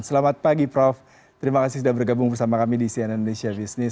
selamat pagi prof terima kasih sudah bergabung bersama kami di cnn indonesia business